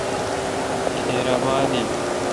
کھیر اباد این۔